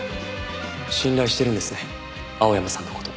信頼してるんですね青山さんの事。